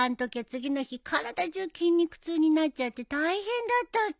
次の日体中筋肉痛になっちゃって大変だったっけ。